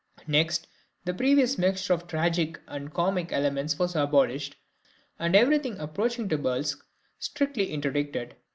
Next, the previous mixture of the tragic and comic elements was abolished, and everything approaching to burlesque strictly interdicted.